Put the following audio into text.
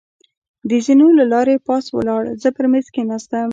د زېنو له لارې پاس ولاړ، زه پر مېز کېناستم.